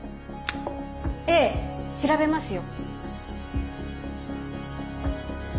ええ調べますよ。